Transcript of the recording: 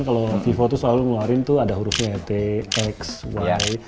kalau vivo tuh selalu ngeluarin tuh ada hurufnya t x y